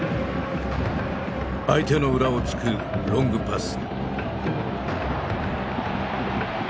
相手の裏をつくロングパス。